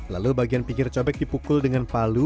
lalu bagian pinggir cobek dipukul dengan palu